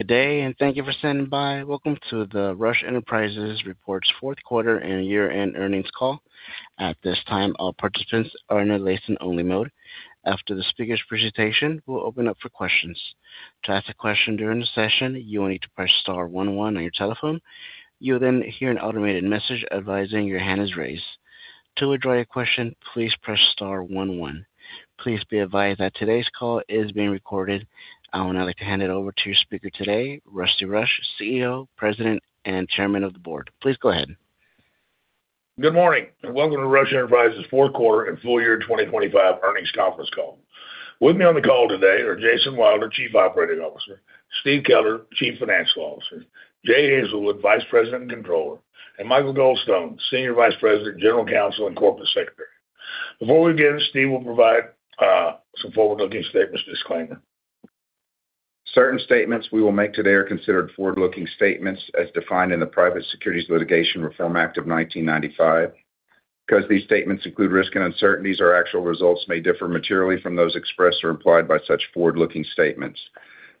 Good day, and thank you for standing by. Welcome to the Rush Enterprises Reports Q4 and Year-End Earnings Call. At this time, all participants are in a listen-only mode. After the speaker's presentation, we'll open up for questions. To ask a question during the session, you will need to press star one one on your telephone. You'll then hear an automated message advising your hand is raised. To withdraw your question, please press star one one. Please be advised that today's call is being recorded. I would now like to hand it over to your speaker today, Rusty Rush, CEO, President, and Chairman of the Board. Please go ahead. Good morning, and welcome to Rush Enterprises Q4 and full year 2025 earnings conference call. With me on the call today are Jason Wilder, Chief Operating Officer, Steve Keller, Chief Financial Officer, Jay Hazelwood, Vice President and Controller, and Michael Goldstone, Senior Vice President, General Counsel, and Corporate Secretary. Before we begin, Steve will provide some forward-looking statements disclaimer. Certain statements we will make today are considered forward-looking statements as defined in the Private Securities Litigation Reform Act of 1995. Because these statements include risk and uncertainties, our actual results may differ materially from those expressed or implied by such forward-looking statements.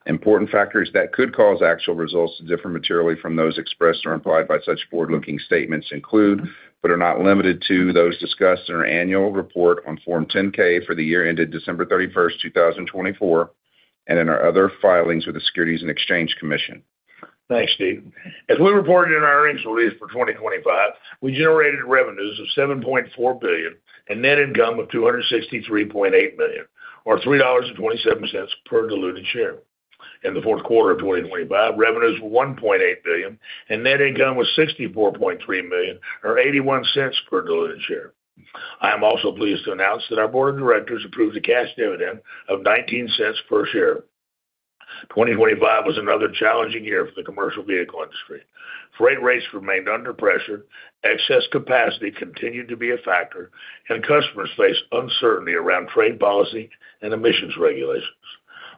Important factors that could cause actual results to differ materially from those expressed or implied by such forward-looking statements include, but are not limited to, those discussed in our annual report on Form 10-K for the year ended December 31, 2024, and in our other filings with the Securities and Exchange Commission. Thanks, Steve. As we reported in our earnings release for 2025, we generated revenues of $7.4 billion and net income of $263.8 million, or $3.27 per diluted share. In the Q4 of 2025, revenues were $1.8 billion, and net income was $64.3 million, or $0.81 per diluted share. I am also pleased to announce that our board of directors approved a cash dividend of $0.19 per share. 2025 was another challenging year for the commercial vehicle industry. Freight rates remained under pressure, excess capacity continued to be a factor, and customers faced uncertainty around trade policy and emissions regulations.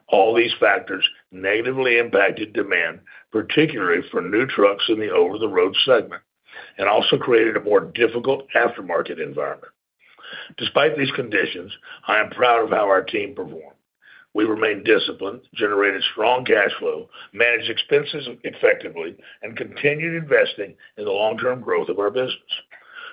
All these factors negatively impacted demand, particularly for new trucks in the over-the-road segment, and also created a more difficult aftermarket environment. Despite these conditions, I am proud of how our team performed. We remained disciplined, generated strong cash flow, managed expenses effectively, and continued investing in the long-term growth of our business.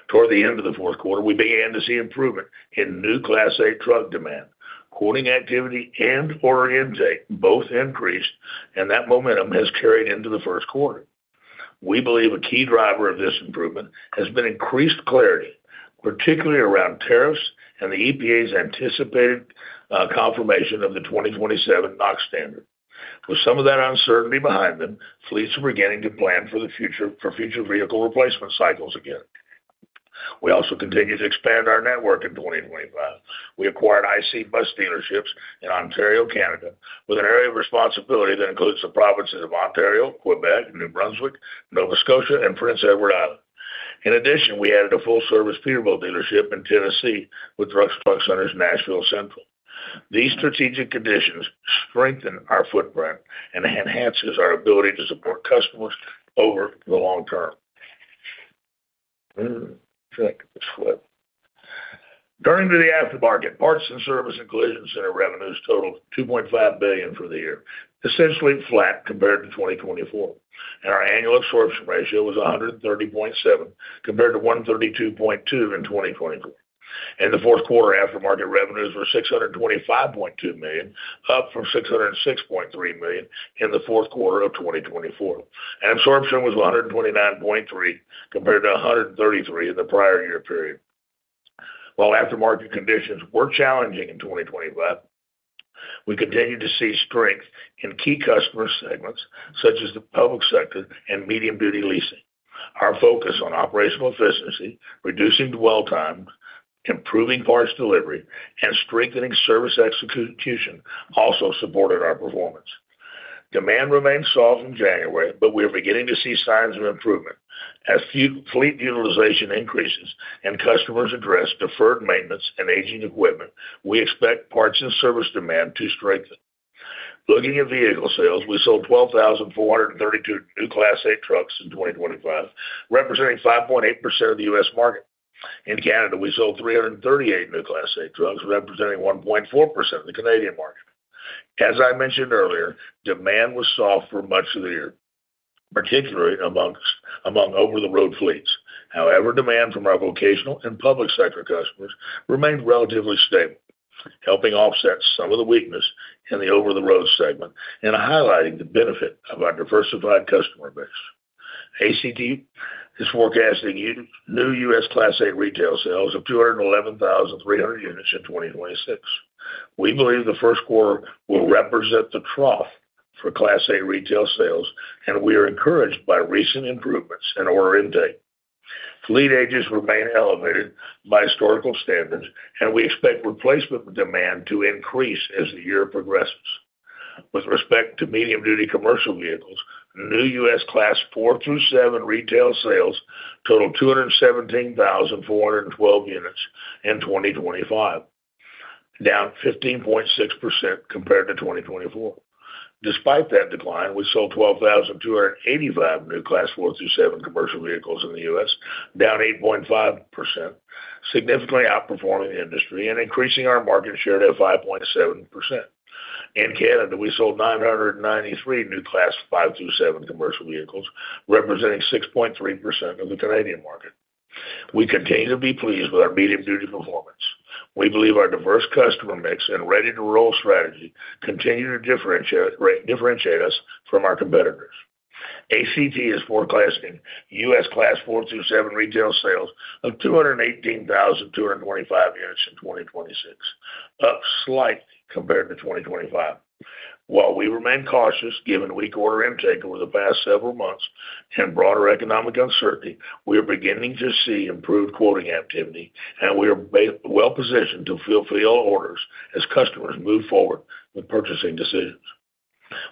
Toward the end of the Q4, we began to see improvement in new Class 8 truck demand. Quoting activity and order intake both increased, and that momentum has carried into the Q1. We believe a key driver of this improvement has been increased clarity, particularly around tariffs and the EPA's anticipated confirmation of the 2027 NOx standard. With some of that uncertainty behind them, fleets are beginning to plan for the future, for future vehicle replacement cycles again. We also continued to expand our network in 2025. We acquired IC Bus dealerships in Ontario, Canada, with an area of responsibility that includes the provinces of Ontario, Quebec, New Brunswick, Nova Scotia, and Prince Edward Island. In addition, we added a full-service Peterbilt dealership in Tennessee with Rush Truck Center's, Nashville Central. These strategic conditions strengthen our footprint and enhances our ability to support customers over the long term. Turning to the aftermarket, parts and service and collision center revenues totaled $2.5 billion for the year, essentially flat compared to 2024, and our annual absorption ratio was 130.7, compared to 132.2 in 2024. In the Q4, aftermarket revenues were $625.2 million, up from $606.3 million in the Q4 of 2024, and absorption was 129.3, compared to 133 in the prior year period. While aftermarket conditions were challenging in 2025, we continued to see strength in key customer segments, such as the public sector and medium-duty leasing. Our focus on operational efficiency, reducing dwell time, improving parts delivery, and strengthening service execution also supported our performance. Demand remains soft in January, but we are beginning to see signs of improvement. As fleet utilization increases and customers address deferred maintenance and aging equipment, we expect parts and service demand to strengthen. Looking at vehicle sales, we sold 12,432 new Class 8 trucks in 2025, representing 5.8% of the U.S. market. In Canada, we sold 338 new Class 8 trucks, representing 1.4% of the Canadian market. As I mentioned earlier, demand was soft for much of the year, particularly amongst over-the-road fleets. However, demand from our vocational and public sector customers remained relatively stable, helping offset some of the weakness in the over-the-road segment and highlighting the benefit of our diversified customer base. ACT is forecasting new U.S. Class 8 retail sales of 211,300 units in 2026. We believe the Q1 will represent the trough for Class 8 retail sales, and we are encouraged by recent improvements in order intake. Fleet ages remain elevated by historical standards, and we expect replacement demand to increase as the year progresses. With respect to medium-duty commercial vehicles, new U.S. Class 4 through seven retail sales totaled 217,412 units in 2025, down 15.6% compared to 2024. Despite that decline, we sold 12,285 new Class 4 through seven commercial vehicles in the U.S., down 8.5%, significantly outperforming the industry and increasing our market share to 5.7%. In Canada, we sold 993 new Class 5 through seven commercial vehicles, representing 6.3% of the Canadian market. We continue to be pleased with our medium-duty performance. We believe our diverse customer mix and Ready-to-Roll strategy continue to differentiate, differentiate us from our competitors. ACT is forecasting U.S. Class 4 through seven retail sales of 218,225 units in 2026, up slightly compared to 2025. While we remain cautious, given weak order intake over the past several months and broader economic uncertainty, we are beginning to see improved quoting activity, and we are well positioned to fulfill orders as customers move forward with purchasing decisions.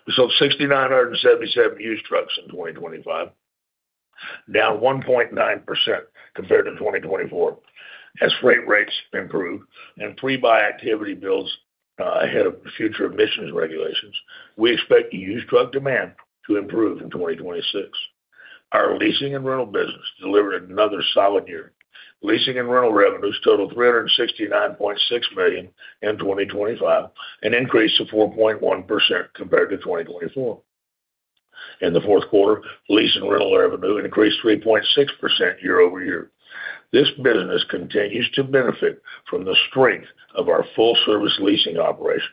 We sold 6,977 used trucks in 2025, down 1.9% compared to 2024. As freight rates improve and pre-buy activity builds ahead of future emissions regulations, we expect the used truck demand to improve in 2026. Our leasing and rental business delivered another solid year. Leasing and rental revenues totaled $369.6 million in 2025, an increase of 4.1% compared to 2024. In the Q4, lease and rental revenue increased 3.6% year-over-year. This business continues to benefit from the strength of our full service leasing operations,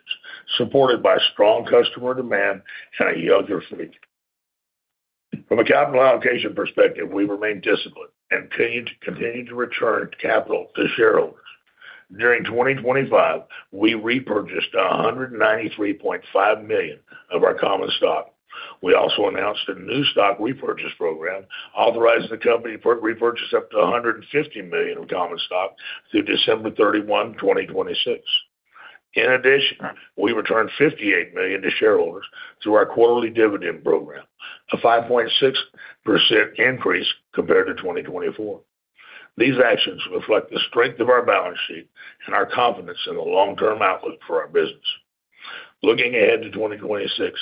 supported by strong customer demand and a younger fleet. From a capital allocation perspective, we remain disciplined and continue to return capital to shareholders. During 2025, we repurchased $193.5 million of our common stock. We also announced a new stock repurchase program, authorizing the company for repurchase up to $150 million of common stock through December 31, 2026. In addition, we returned $58 million to shareholders through our quarterly dividend program, a 5.6% increase compared to 2024. These actions reflect the strength of our balance sheet and our confidence in the long-term outlook for our business. Looking ahead to 2026,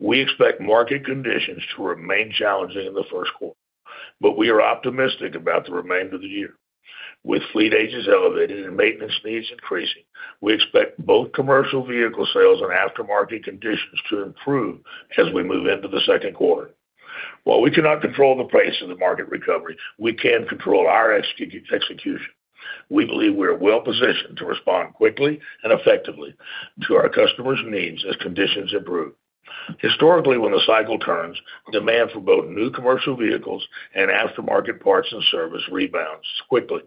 we expect market conditions to remain challenging in the Q1, but we are optimistic about the remainder of the year. With fleet ages elevated and maintenance needs increasing, we expect both commercial vehicle sales and aftermarket conditions to improve as we move into the Q2. While we cannot control the pace of the market recovery, we can control our execution. We believe we are well positioned to respond quickly and effectively to our customers' needs as conditions improve. Historically, when the cycle turns, demand for both new commercial vehicles and aftermarket parts and service rebounds quickly,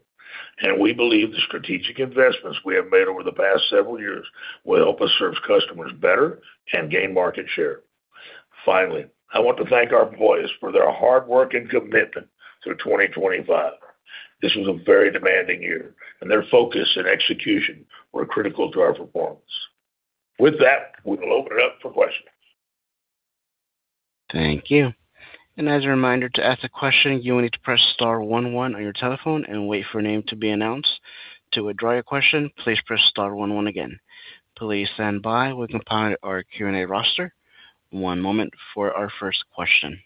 and we believe the strategic investments we have made over the past several years will help us serve customers better and gain market share. Finally, I want to thank our employees for their hard work and commitment through 2025. This was a very demanding year, and their focus and execution were critical to our performance. With that, we will open it up for questions. Thank you. As a reminder, to ask a question, you will need to press star one one on your telephone and wait for a name to be announced. To withdraw your question, please press star one one again. Please stand by. We're compiling our Q&A roster. One moment for our first question.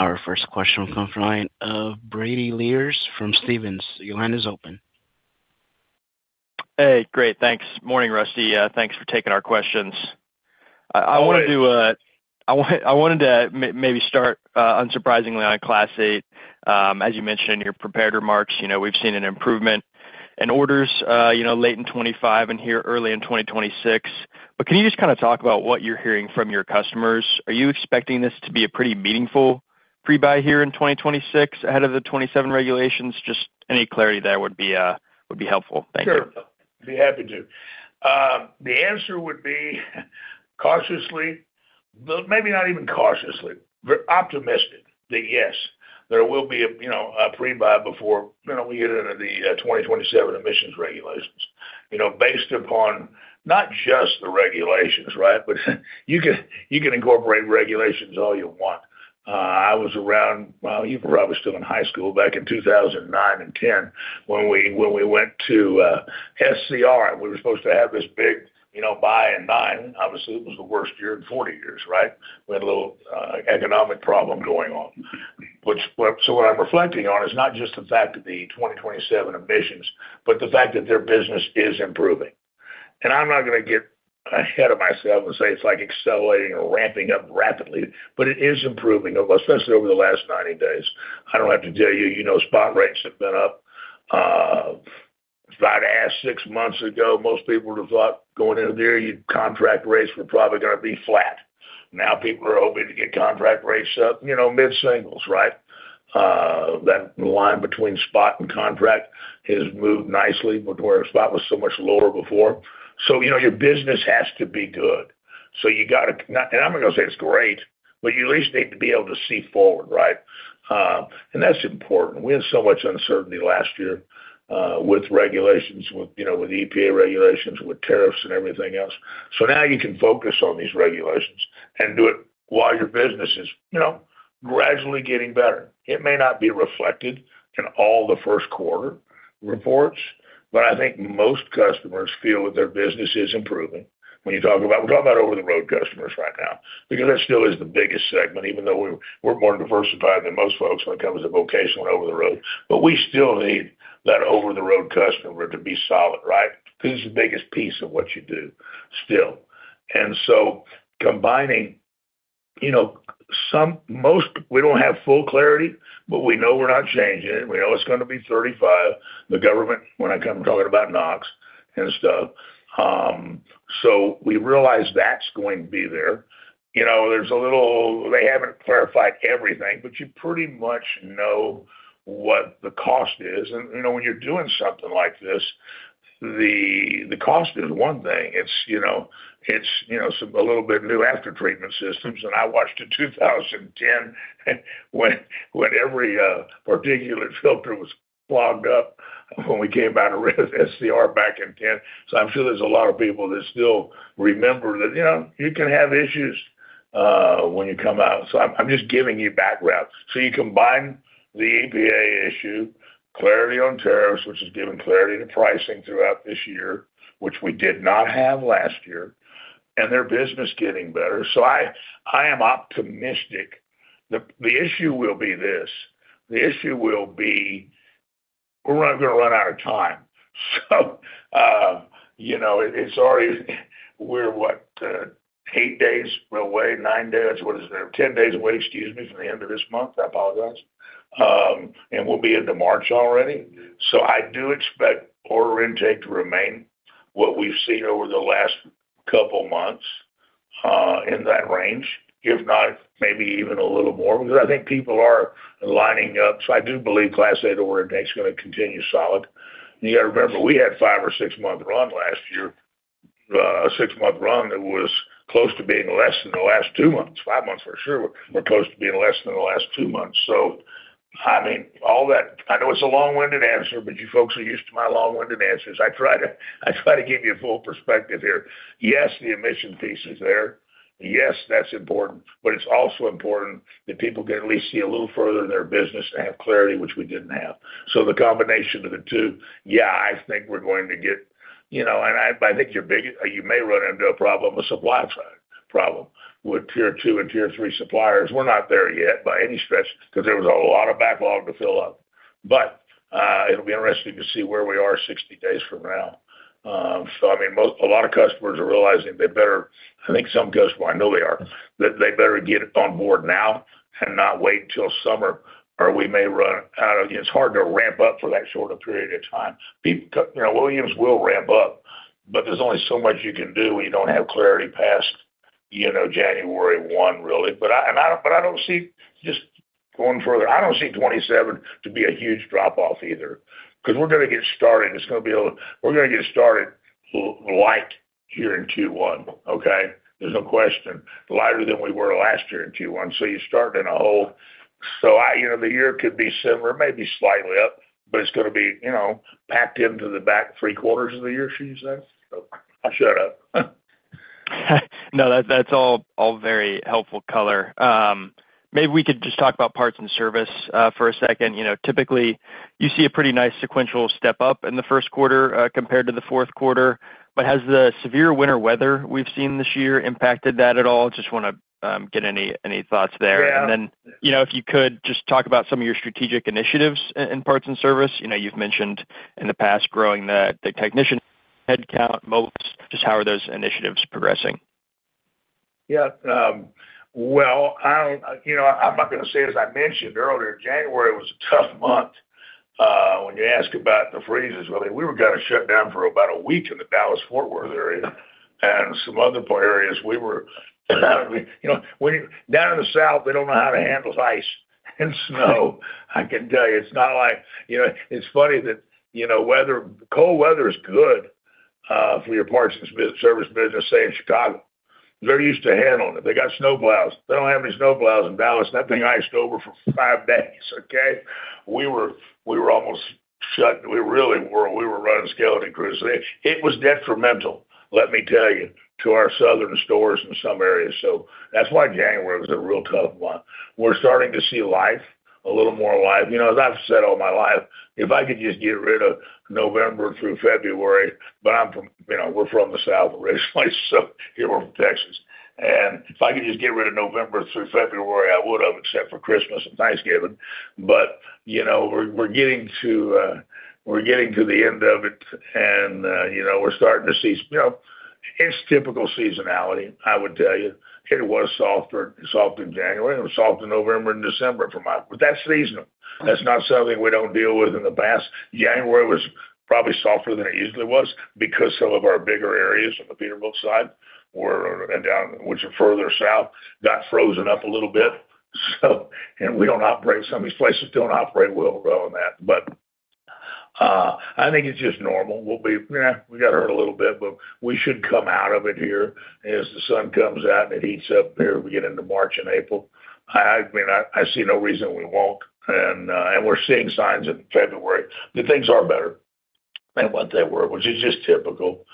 Our first question will come from the line of Brady Lierz from Stephens. Your line is open. Hey, great. Thanks. Morning, Rusty. Thanks for taking our questions. I wanted to maybe start, unsurprisingly, on Class 8. As you mentioned in your prepared remarks, you know, we've seen an improvement in orders, you know, late in 2025 and here early in 2026. But can you just kind of talk about what you're hearing from your customers? Are you expecting this to be a pretty meaningful pre-buy here in 2026 ahead of the 2027 regulations? Just any clarity there would be helpful. Thank you. Sure. Be happy to. The answer would be cautiously, but maybe not even cautiously, but optimistic that, yes, there will be a, you know, a pre-buy before, you know, we get into the 2027 emissions regulations, you know, based upon not just the regulations, right? But you can, you can incorporate regulations all you want. I was around, well, you were probably still in high school back in 2009 and 2010, when we, when we went to SCR, and we were supposed to have this big, you know, buy in 2009. Obviously, it was the worst year in 40 years, right? We had a little economic problem going on. So what I'm reflecting on is not just the fact of the 2027 emissions, but the fact that their business is improving. I'm not going to get ahead of myself and say it's like accelerating or ramping up rapidly, but it is improving, especially over the last 90 days. I don't have to tell you, you know, spot rates have been up. If I'd asked six months ago, most people would have thought going into the year, contract rates were probably going to be flat. Now, people are hoping to get contract rates up, you know, mid-singles, right? That line between spot and contract has moved nicely, but where spot was so much lower before. So, you know, your business has to be good. So you got to... And I'm not going to say it's great, but you at least need to be able to see forward, right? And that's important. We had so much uncertainty last year with regulations, you know, with EPA regulations, with tariffs and everything else. So now you can focus on these regulations and do it while your business is, you know, gradually getting better. It may not be reflected in all the Q1 reports. But I think most customers feel that their business is improving. When you talk about, we're talking about over-the-road customers right now, because that still is the biggest segment, even though we're more diversified than most folks when it comes to vocational and over-the-road. But we still need that over-the-road customer to be solid, right? He's the biggest piece of what you do still. And so combining, you know, some, most, we don't have full clarity, but we know we're not changing it. We know it's gonna be 35, the government, when I come talking about NOx and stuff, so we realize that's going to be there. You know, there's a little—they haven't clarified everything, but you pretty much know what the cost is. And, you know, when you're doing something like this, the cost is one thing. It's, you know, it's, you know, some, a little bit new after-treatment systems, and I watched in 2010 when every particulate filter was clogged up when we came out of SCR back in 2010. So I'm sure there's a lot of people that still remember that, you know, you can have issues when you come out. So I'm just giving you background. You combine the EPA issue, clarity on tariffs, which has given clarity to pricing throughout this year, which we did not have last year, and their business is getting better. So I am optimistic. The issue will be this: we're gonna run out of time. So, you know, it's already... We're what? eight days away, nine days, what is it, 10 days away, excuse me, from the end of this month. I apologize. And we'll be into March already. So I do expect order intake to remain what we've seen over the last couple of months, in that range, if not, maybe even a little more, because I think people are lining up. So I do believe Class 8 order intake is gonna continue solid. You got to remember, we had a five or six month run last year, a six-month run that was close to being less than the last two months. Five months for sure were close to being less than the first two months. So, I mean, all that. I know it's a long-winded answer, but you folks are used to my long-winded answers. I try to, I try to give you a full perspective here. Yes, the emission piece is there. Yes, that's important, but it's also important that people can at least see a little further in their business and have clarity, which we didn't have. So the combination of the two, yeah, I think we're going to get. You know, and I, I think your big- you may run into a problem, a supply side problem, with Tier 2 and Tier 3 suppliers. We're not there yet by any stretch, because there was a lot of backlog to fill up. But, it'll be interesting to see where we are 60 days from now. So I mean, most, a lot of customers are realizing they better. I think some customers, well, I know they are, that they better get on board now and not wait until summer, or we may run out of-- It's hard to ramp up for that short a period of time. You know, volumes will ramp up, but there's only so much you can do when you don't have clarity past, you know, January 1, really. But I, and I, but I don't see, just going further, I don't see 2027 to be a huge drop-off either, because we're gonna get started. It's gonna be a-- We're gonna get started light here in Q1, okay? There's no question. Lighter than we were last year in Q1, so you're starting in a hole. So I... You know, the year could be similar, maybe slightly up, but it's gonna be, you know, packed into the back three quarters of the year, should you say? So I'll shut up. No, that's all very helpful color. Maybe we could just talk about parts and service for a second. You know, typically, you see a pretty nice sequential step up in the Q1 compared to the Q4. But has the severe winter weather we've seen this year impacted that at all? Just wanna get any thoughts there. Yeah. Then, you know, if you could, just talk about some of your strategic initiatives in parts and service. You know, you've mentioned in the past growing the technician headcount, moves. Just how are those initiatives progressing? Yeah, well, I, you know, I'm not gonna say, as I mentioned earlier, January was a tough month, when you ask about the freezes. Well, we were gonna shut down for about a week in the Dallas-Fort Worth area and some other part areas. We were, you know, down in the South, they don't know how to handle ice and snow. I can tell you, it's not like... You know, it's funny that, you know, weather, cold weather is good for your parts and service business, say, in Chicago. They're used to handling it. They got snowplows. They don't have any snowplows in Dallas. Nothing iced over for five days, okay? We were almost shut. We really were. We were running skeleton crews. It was detrimental, let me tell you, to our southern stores in some areas. That's why January was a real tough month. We're starting to see life, a little more life. You know, as I've said all my life, if I could just get rid of November through February, but I'm from, you know, we're from the South originally, so we're from Texas. And if I could just get rid of November through February, I would have, except for Christmas and Thanksgiving. But, you know, we're getting to the end of it, and you know, we're starting to see. You know, it's typical seasonality, I would tell you. It was softer, soft in January, and it was soft in November and December for my, but that's seasonal. That's not something we don't deal with in the past. January was probably softer than it usually was because some of our bigger areas on the Peterbilt side were down, which are further south, got frozen up a little bit. So, some of these places don't operate well on that. But, I think it's just normal. We'll be, we got hurt a little bit, but we should come out of it here as the sun comes out and it heats up here, we get into March and April. I mean, I see no reason we won't. And, we're seeing signs in February that things are better than what they were, which is just typical.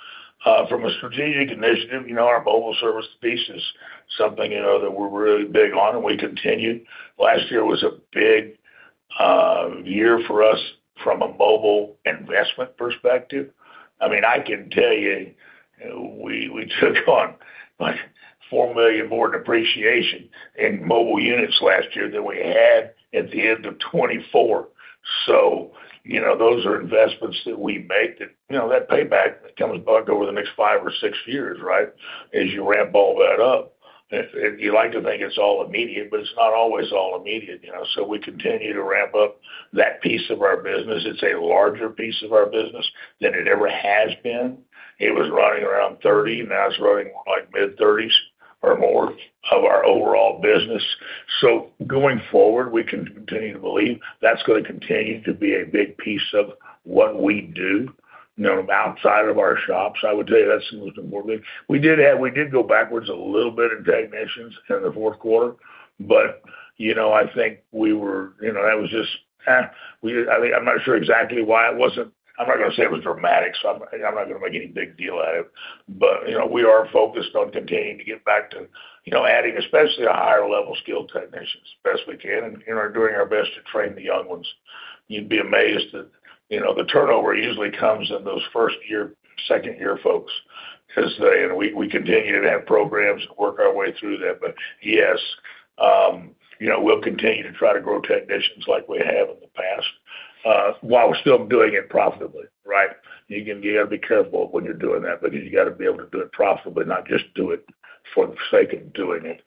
From a strategic initiative, you know, our mobile service piece is something, you know, that we're really big on, and we continued. Last year was a big year for us from a mobile investment perspective. I mean, I can tell you, we, we took on, like, $4 million more depreciation in mobile units last year than we had at the end of 2024. So, you know, those are investments that we make that, you know, that payback comes back over the next five or six years, right? As you ramp all that up. And, and you like to think it's all immediate, but it's not always all immediate, you know, so we continue to ramp up that piece of our business. It's a larger piece of our business than it ever has been. It was running around 30%, now it's running more like mid-30s% or more of our overall business. So going forward, we continue to believe that's going to continue to be a big piece of what we do. You know, outside of our shops, I would tell you that's the most important. We did go backwards a little bit in technicians in the Q4, but, you know, I think that was just, we, I think, I'm not sure exactly why it wasn't. I'm not gonna say it was dramatic, so I'm not gonna make any big deal out of it. But, you know, we are focused on continuing to get back to, you know, adding especially a higher level skill technicians, as best we can, and, you know, doing our best to train the young ones. You'd be amazed that, you know, the turnover usually comes in those first year, second year folks, 'cause they. And we continue to have programs and work our way through that. Yes, you know, we'll continue to try to grow technicians like we have in the past, while we're still doing it profitably, right? You gotta be careful when you're doing that, but you gotta be able to do it profitably, not just do it for the sake of doing it.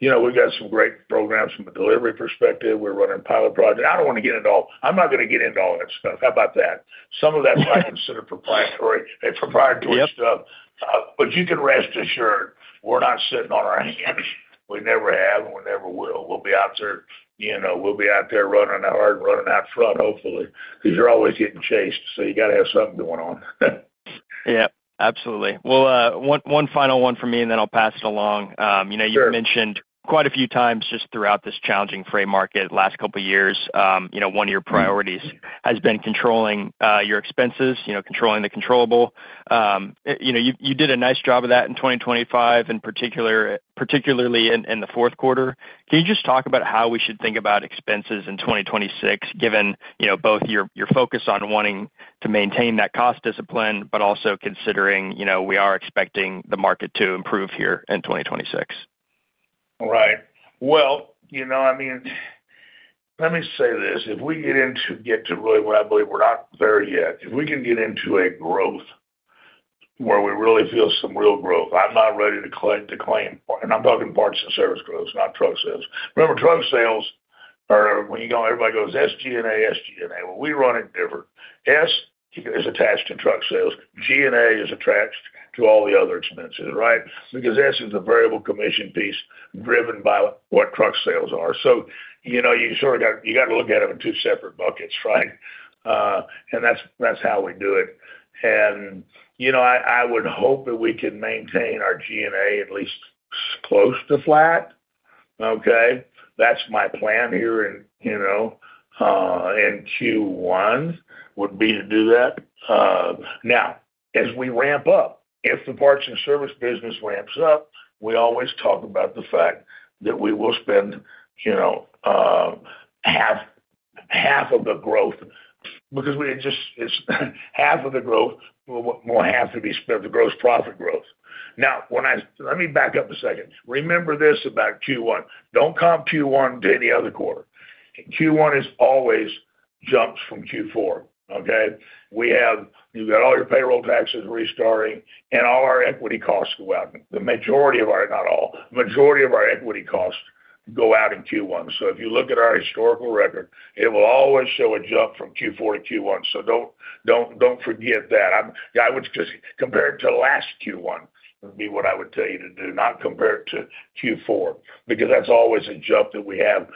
You know, we've got some great programs from a delivery perspective. We're running a pilot project. I don't want to get into all... I'm not gonna get into all that stuff. How about that? Some of that's might consider proprietary, and proprietary stuff. Yep. You can rest assured, we're not sitting on our hands. We never have, and we never will. We'll be out there, you know, we'll be out there running hard, running out front, hopefully, because you're always getting chased, so you gotta have something going on. Yeah, absolutely. Well, one, one final one for me, and then I'll pass it along. You know- Sure. You mentioned quite a few times, just throughout this challenging freight market last couple of years, you know, one of your priorities has been controlling your expenses, you know, controlling the controllable. You know, you did a nice job of that in 2025, and particularly in the Q4. Can you just talk about how we should think about expenses in 2026, given, you know, both your focus on wanting to maintain that cost discipline, but also considering, you know, we are expecting the market to improve here in 2026? Right. Well, you know, I mean, let me say this: If we get to really where I believe, we're not there yet. If we can get into a growth where we really feel some real growth, I'm not ready to claim, and I'm talking parts and service growth, not truck sales. Remember, truck sales are when you go, everybody goes, "SG&A, SG&A." Well, we run it different. S is attached to truck sales, G&A is attached to all the other expenses, right? Because S is a variable commission piece driven by what truck sales are. So, you know, you sort of got, you gotta look at them in two separate buckets, right? And that's how we do it. And, you know, I would hope that we can maintain our G&A at least close to flat, okay? That's my plan here in, you know, in Q1, would be to do that. Now, as we ramp up, if the parts and service business ramps up, we always talk about the fact that we will spend, you know, half of the growth, because half of the growth will have to be spent, the gross profit growth. Now, let me back up a second. Remember this about Q1. Don't comp Q1 to any other quarter. Q1 is always jumps from Q4, okay? We have... You've got all your payroll taxes restarting, and all our equity costs go out. The majority of our, not all, majority of our equity costs go out in Q1. So if you look at our historical record, it will always show a jump from Q4 to Q1. So don't, don't, don't forget that. I would just compare it to last Q1, would be what I would tell you to do, not compare it to Q4, because that's always a jump that we have.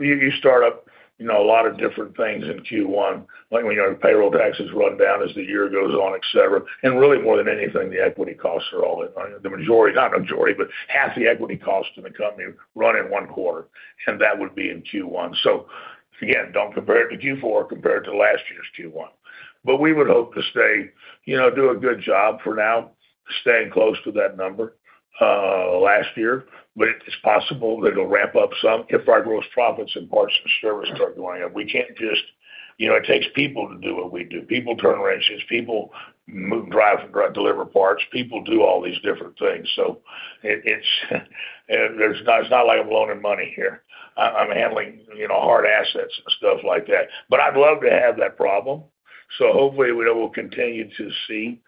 You start up, you know, a lot of different things in Q1, like, you know, payroll taxes run down as the year goes on, et cetera. And really more than anything, the equity costs are all, the majority, not majority, but half the equity costs in the company run in one quarter, and that would be in Q1. So again, don't compare it to Q4, compare it to last year's Q1. But we would hope to stay, you know, do a good job for now, staying close to that number, last year. But it's possible that it'll ramp up some if our gross profits and parts and service start going up. We can't just... You know, it takes people to do what we do. People turn wrenches, people move, drive, and deliver parts, people do all these different things. So it's not like I'm loaning money here. I'm handling, you know, hard assets and stuff like that. But I'd love to have that problem, so hopefully, we will continue to see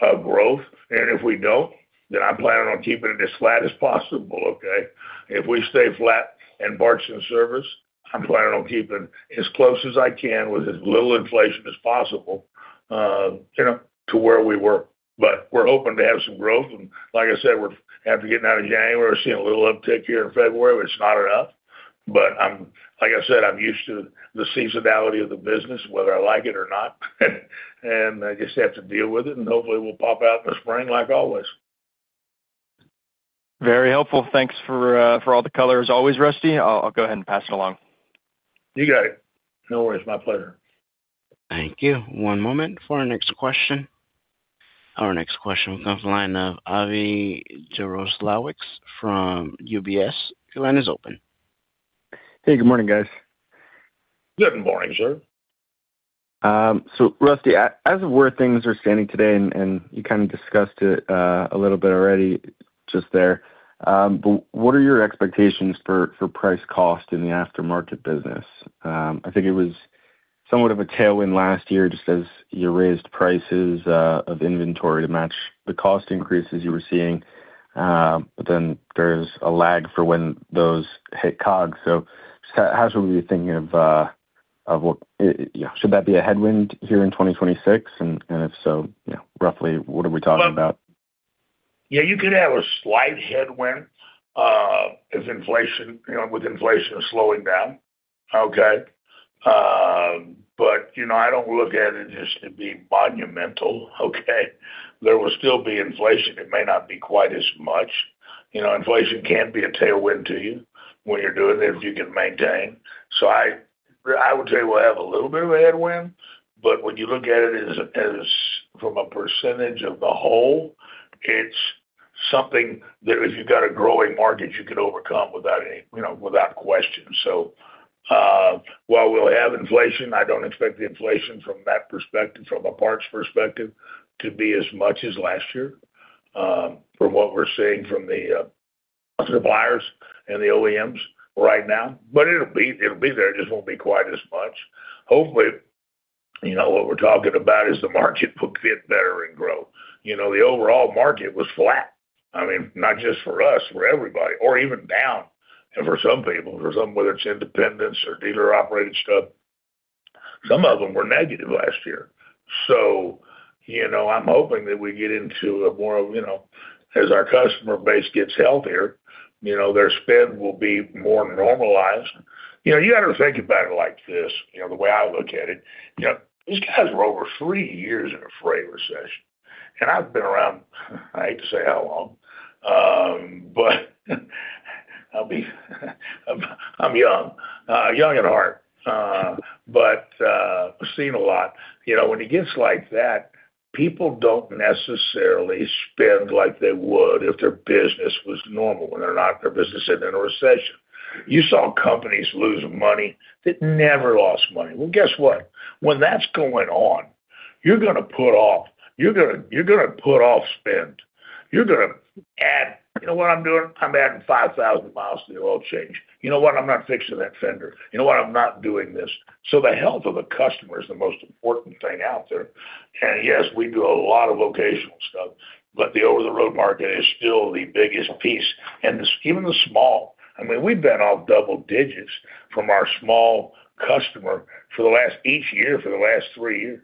growth, and if we don't, then I'm planning on keeping it as flat as possible, okay? If we stay flat in parts and service, I'm planning on keeping as close as I can with as little inflation as possible, you know, to where we were. But we're hoping to have some growth, and like I said, after getting out of January, we're seeing a little uptick here in February, which is not enough. But I'm, like I said, I'm used to the seasonality of the business, whether I like it or not, and I just have to deal with it, and hopefully, we'll pop out in the spring, like always. Very helpful. Thanks for, for all the colors. Always, Rusty. I'll, I'll go ahead and pass it along. You got it. No worries, my pleasure. Thank you. One moment for our next question. Our next question comes from the line of Avi Jaroslawicz from UBS. Your line is open. Hey, good morning, guys. Good morning, sir. Rusty, as of where things are standing today, and you kind of discussed it a little bit already just there, but what are your expectations for price cost in the aftermarket business? I think it was somewhat of a tailwind last year, just as you raised prices of inventory to match the cost increases you were seeing. But then there's a lag for when those hit COGS. So how should we be thinking of what... yeah, should that be a headwind here in 2026? And if so, you know, roughly, what are we talking about? Yeah, you could have a slight headwind, as inflation, you know, with inflation slowing down, okay? But, you know, I don't look at it as it being monumental, okay? There will still be inflation. It may not be quite as much. You know, inflation can be a tailwind to you when you're doing it, if you can maintain. So I, I would tell you, we'll have a little bit of a headwind, but when you look at it as, as from a percentage of the whole, it's something that if you've got a growing market, you could overcome without any, you know, without question. So, while we'll have inflation, I don't expect the inflation from that perspective, from a parts perspective, to be as much as last year, from what we're seeing from the suppliers and the OEMs right now. It'll be there. It just won't be quite as much. Hopefully, you know, what we're talking about is the market will get better and grow. You know, the overall market was flat. I mean, not just for us, for everybody, or even down, and for some people, for some, whether it's independents or dealer-operated stuff, some of them were negative last year. So, you know, I'm hoping that we get into a more, you know, as our customer base gets healthier, you know, their spend will be more normalized. You know, you got to think about it like this, you know, the way I look at it, you know, these guys were over three years in a freight recession, and I've been around, I hate to say how long, but, I'm young at heart, but, I've seen a lot. You know, when it gets like that, people don't necessarily spend like they would if their business was normal. When they're not, their business is in a recession. You saw companies lose money that never lost money. Well, guess what? When that's going on, you're gonna put off, you're gonna, you're gonna put off spend. You're gonna add... You know what I'm doing? I'm adding 5,000 mi to the oil change. You know what? I'm not fixing that fender. You know what? I'm not doing this. So the health of the customer is the most important thing out there. And yes, we do a lot of locational stuff, but the over-the-road market is still the biggest piece. And this, even the small, I mean, we've been off double digits from our small customer for the last... each year for the last three years.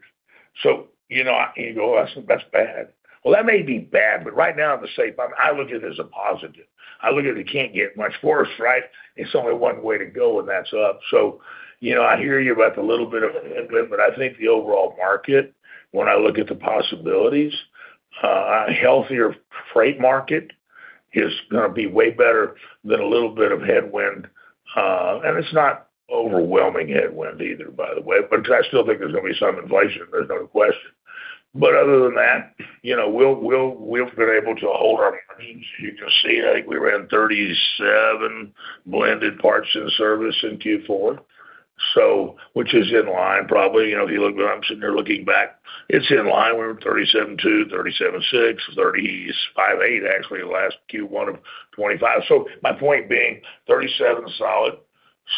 So, you know, and you go, "That's, that's bad." Well, that may be bad, but right now, I'm gonna say, but I look at it as a positive. I look at it, it can't get much worse, right? It's only one way to go, and that's up. So, you know, I hear you about the little bit of headwind, but I think the overall market, when I look at the possibilities, a healthier freight market is gonna be way better than a little bit of headwind. And it's not overwhelming headwind either, by the way, but I still think there's gonna be some inflation, there's no question. But other than that, you know, we'll, we'll, we've been able to hold our margins. You can see, I think we were in 37 blended parts in service in Q4, so which is in line, probably. You know, if you look, when I'm sitting here looking back, it's in line. We were 37.2, 37.6, 35.8, actually, the last Q1 of 2025. So my point being, 37 is solid,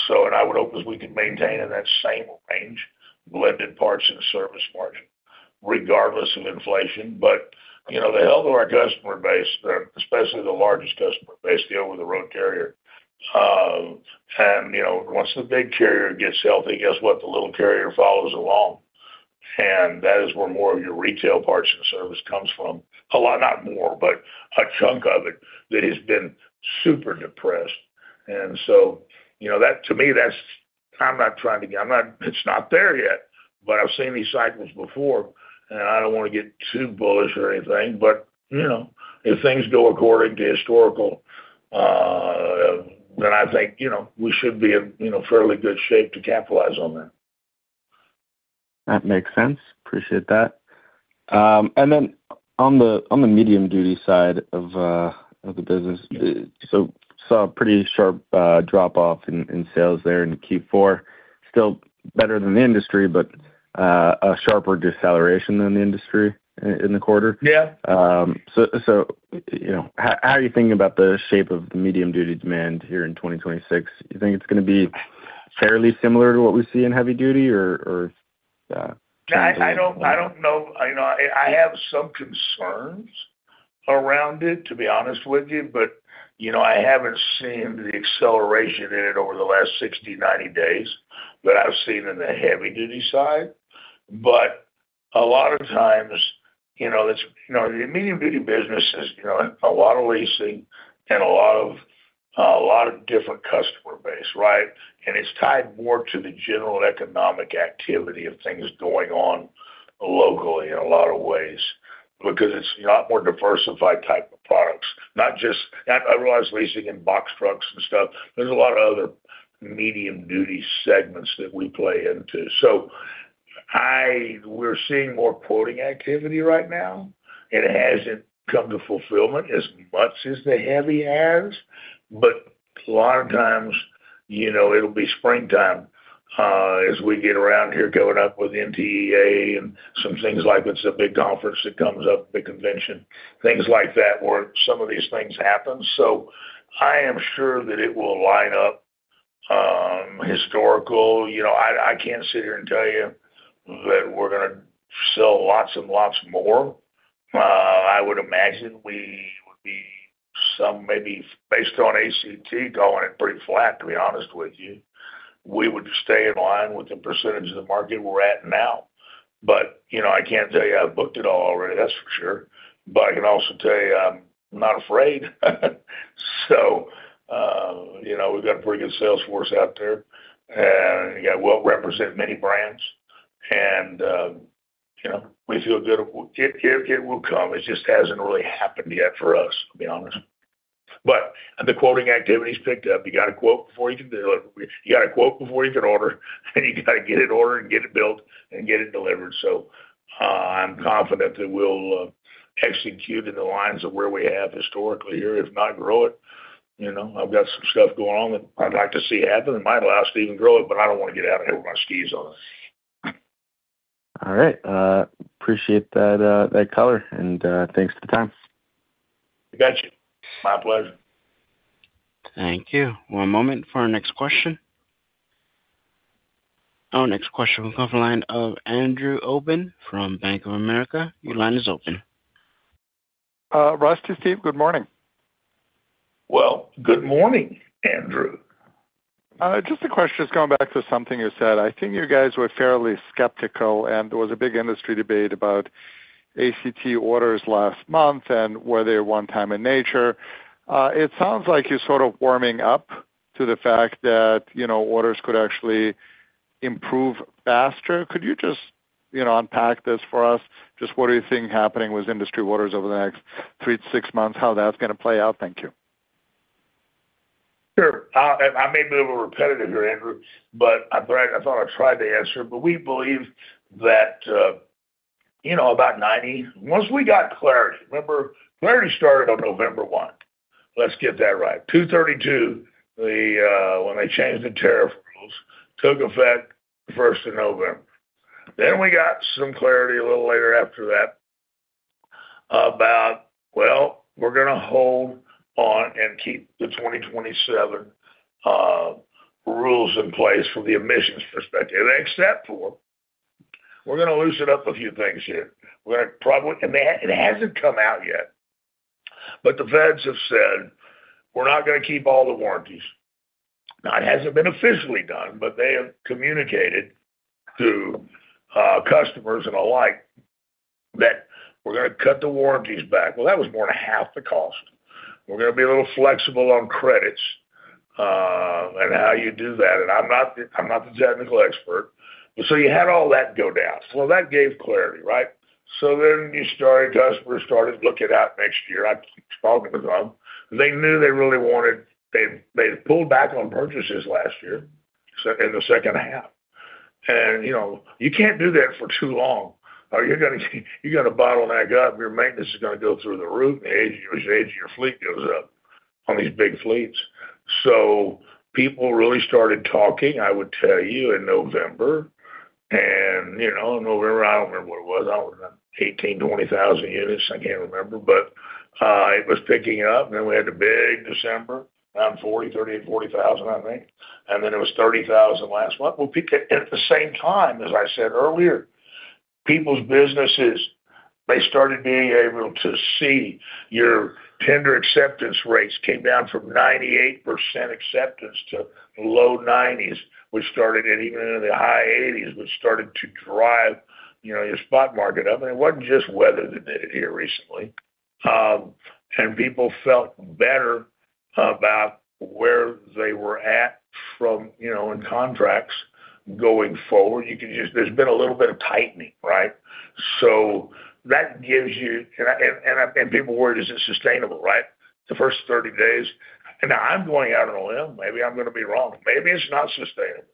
so and I would hope as we can maintain in that same range, blended parts and service margin, regardless of inflation. But, you know, the health of our customer base, especially the largest customer base, the over-the-road carrier, and, you know, once the big carrier gets healthy, guess what? The little carrier follows along, and that is where more of your retail parts and service comes from. A lot, not more, but a chunk of it that has been super depressed. And so, you know that, to me, that's...It's not there yet, but I've seen these cycles before, and I don't want to get too bullish or anything, but, you know, if things go according to historical, then I think, you know, we should be in, you know, fairly good shape to capitalize on that. That makes sense. Appreciate that. And then on the, on the medium-duty side of, of the business, so saw a pretty sharp, drop-off in, in sales there in Q4. Still better than the industry, but, a sharper deceleration than the industry in, in the quarter. Yeah. How are you thinking about the shape of the medium-duty demand here in 2026? You think it's gonna be fairly similar to what we see in heavy-duty or- I don't know. You know, I have some concerns around it, to be honest with you, but, you know, I haven't seen the acceleration in it over the last 60, 90 days that I've seen in the heavy-duty side. But a lot of times, you know, that's, you know, the medium-duty business is, you know, a lot of leasing and a lot of different customer base, right? And it's tied more to the general economic activity of things going on locally in a lot of ways, because it's a lot more diversified type of products, not just - not otherwise leasing in box trucks and stuff. There's a lot of other medium-duty segments that we play into. So we're seeing more quoting activity right now. It hasn't come to fulfillment as much as the heavy has, but a lot of times, you know, it'll be springtime, as we get around here, coming up with NTEA and some things like, it's a big conference that comes up, the convention, things like that, where some of these things happen. So I am sure that it will line up, historically. You know, I, I can't sit here and tell you that we're going to sell lots and lots more. I would imagine we would be some, maybe based on ACT, calling it pretty flat, to be honest with you. We would stay in line with the percentage of the market we're at now. But, you know, I can't tell you I've booked it all already, that's for sure. But I can also tell you I'm not afraid. We've got a pretty good sales force out there, and, yeah, well represented, many brands and, you know, we feel good. It will come. It just hasn't really happened yet for us, to be honest. But the quoting activity's picked up. You got to quote before you can deliver. You got to quote before you can order, and you got to get it ordered and get it built and get it delivered. So, I'm confident that we'll execute in the lines of where we have historically here, if not grow it. You know, I've got some stuff going on that I'd like to see happen. It might allow us to even grow it, but I don't want to get out and have my skis on. All right, appreciate that, that color, and thanks for the time. I got you. My pleasure. Thank you. One moment for our next question. Our next question will come from the line of Andrew Obin from Bank of America. Your line is open. Rusty, Steve, good morning. Well, good morning, Andrew. Just a question, just going back to something you said. I think you guys were fairly skeptical, and there was a big industry debate about ACT orders last month and were they one time in nature. It sounds like you're sort of warming up to the fact that, you know, orders could actually improve faster. Could you just, you know, unpack this for us? Just what do you think happening with industry orders over the next three to six months, how that's going to play out? Thank you. Sure. And I may be a little repetitive here, Andrew, but I thought I tried to answer, but we believe that, you know, about 90. Once we got clarity, remember, clarity started on November 1. Let's get that right. 232, the, when they changed the tariff rules, took effect November 1st. Then we got some clarity a little later after that about, well, we're going to hold on and keep the 2027, rules in place from the emissions perspective, except for, we're going to loosen up a few things here. We're going to probably-- and it, it hasn't come out yet, but the feds have said, we're not going to keep all the warranties. Now, it hasn't been officially done, but they have communicated to, customers and the like, that we're going to cut the warranties back. Well, that was more than half the cost. We're going to be a little flexible on credits, and how you do that, and I'm not the, I'm not the technical expert, but so you had all that go down. So that gave clarity, right? So then customers started looking out next year. I keep talking to them. They knew they really wanted-- they pulled back on purchases last year, so in the second half. And, you know, you can't do that for too long, or you're gonna bottle back up, your maintenance is going to go through the roof, and the age of your fleet goes up on these big fleets. People really started talking, I would tell you, in November, and, you know, November, I don't remember what it was, I don't know, 18-20,000 units, I can't remember, but it was picking up, and then we had the big December, around 30,000-40,000, I think, and then it was 30,000 last month. Well, at the same time, as I said earlier, people's businesses, they started being able to see your tender acceptance rates came down from 98% acceptance to low 90s, which started it even in the high 80s, which started to drive, you know, your spot market up. And it wasn't just weather that did it here recently. And people felt better about where they were at from, you know, in contracts going forward. You can just. There's been a little bit of tightening, right? So that gives you... People worry, is it sustainable, right? The first 30 days, and now I'm going out on a limb, maybe I'm going to be wrong. Maybe it's not sustainable.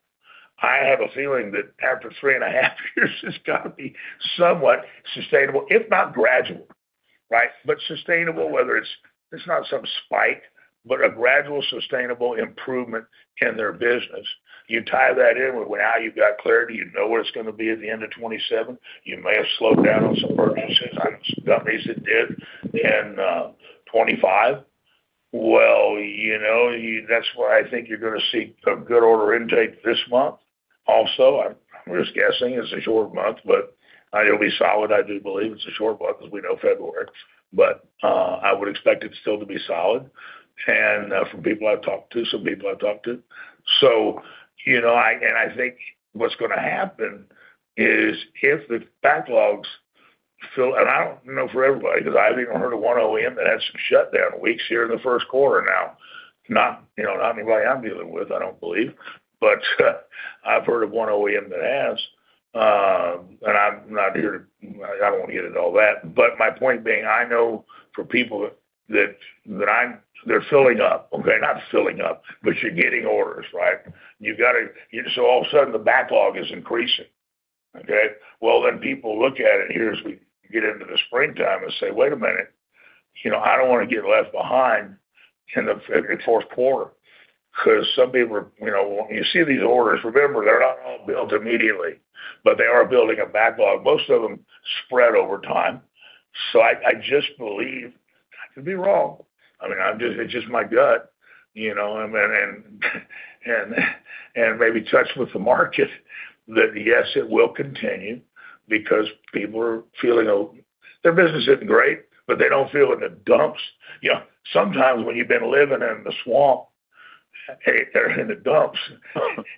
I have a feeling that after three and a half years, it's got to be somewhat sustainable, if not gradual, right? But sustainable, whether it's, it's not some spike, but a gradual, sustainable improvement in their business. You tie that in with when now you've got clarity, you know where it's going to be at the end of 2027. You may have slowed down on some purchases. I've got reason it did in 2025. Well, you know, that's where I think you're going to see some good order intake this month. Also, I'm just guessing it's a short month, but it'll be solid. I do believe it's a short month because we know February, but I would expect it still to be solid. And from people I've talked to, some people I've talked to. So, you know, and I think what's going to happen is if the backlogs... So, and I don't know for everybody, because I've even heard of one OEM that had some shutdown weeks here in the Q1 now. Not, you know, not anybody I'm dealing with, I don't believe, but I've heard of one OEM that has. And I'm not here to—I don't want to get into all that. But my point being, I know for people that I'm—they're filling up, okay? Not filling up, but you're getting orders, right? You've got to—So all of a sudden, the backlog is increasing, okay? Well, then people look at it here as we get into the springtime and say, "Wait a minute, you know, I don't want to get left behind in the Q4." Because some people, you know, when you see these orders, remember, they're not all built immediately, but they are building a backlog. Most of them spread over time. So I just believe, I could be wrong. I mean, I'm just, it's just my gut, you know, and maybe touch with the market, that, yes, it will continue because people are feeling, oh, their business isn't great, but they don't feel in the dumps. You know, sometimes when you've been living in the swamp, or in the dumps,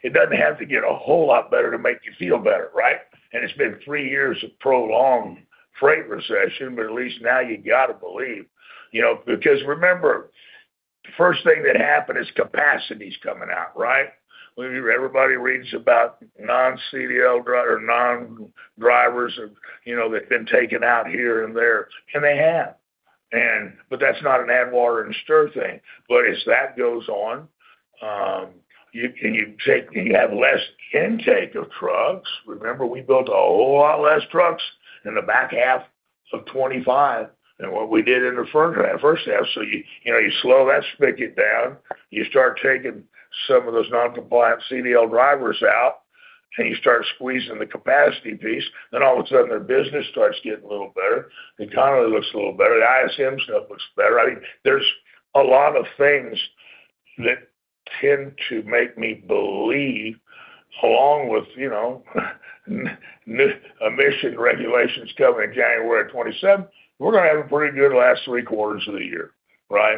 it doesn't have to get a whole lot better to make you feel better, right? It's been three years of prolonged freight recession, but at least now you got to believe. You know, because remember, the first thing that happened is capacity is coming out, right? Everybody reads about non-CDL drivers, or non-drivers, you know, that have been taken out here and there, and they have. But that's not an add water and stir thing. But as that goes on, you have less intake of trucks. Remember, we built a whole lot less trucks in the back half of 2025 than what we did in the first half. So you know, you slow that spigot down, you start taking some of those non-compliant CDL drivers out, and you start squeezing the capacity piece, then all of a sudden, their business starts getting a little better, the economy looks a little better, the ISM stuff looks better. I mean, there's a lot of things that tend to make me believe, along with, you know, emission regulations coming in January of 2027, we're going to have a pretty good last three quarters of the year, right?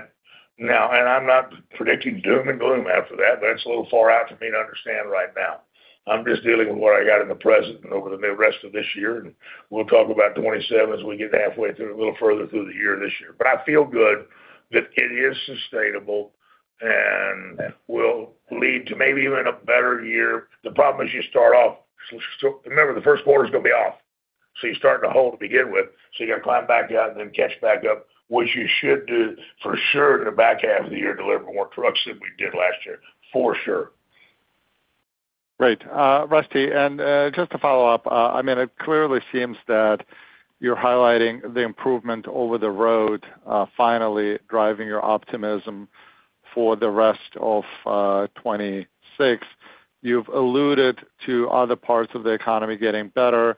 Now, and I'm not predicting doom and gloom after that. That's a little far out for me to understand right now. I'm just dealing with what I got in the present and over the rest of this year, and we'll talk about 2027 as we get halfway through, a little further through the year this year. But I feel good that it is sustainable and will lead to maybe even a better year. The problem is, you start off...So, so remember, the Q1 is going to be off, so you're starting a hole to begin with, so you got to climb back out and then catch back up, which you should do for sure in the back half of the year, delivering more trucks than we did last year, for sure. Great. Rusty, and just to follow up, I mean, it clearly seems that you're highlighting the improvement over the road, finally driving your optimism for the rest of 2026. You've alluded to other parts of the economy getting better.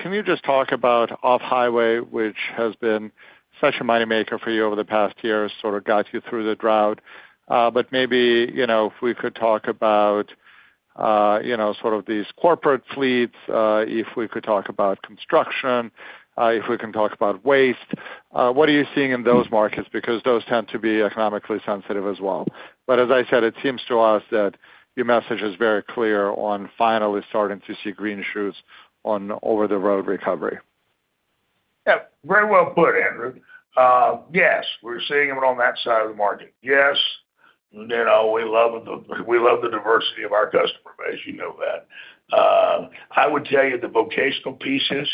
Can you just talk about off-highway, which has been such a moneymaker for you over the past years, sort of got you through the drought? But maybe, you know, if we could talk about, you know, sort of these corporate fleets, if we could talk about construction, if we can talk about waste. What are you seeing in those markets? Because those tend to be economically sensitive as well. But as I said, it seems to us that your message is very clear on finally starting to see green shoots on over-the-road recovery. Yeah, very well put, Andrew. Yes, we're seeing them on that side of the market. Yes, you know, we love the, we love the diversity of our customer base, you know that. I would tell you the vocational pieces,